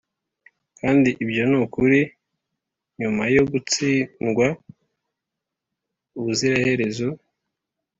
kandi ibyo nukuri nyuma yo gutsindwa ubuziraherezo.